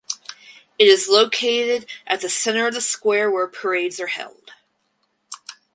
It is located at the center of the Square where parades are held.